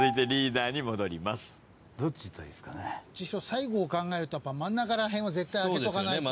最後を考えると真ん中らへんは絶対あけとかないと。